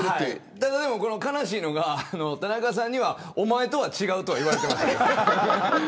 ただ悲しいのは、田中さんにはおまえとは違うとは言われてました。